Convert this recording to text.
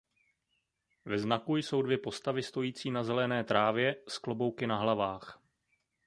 Ve znaku jsou dvě postavy stojící na zelené trávě s klobouky na hlavách.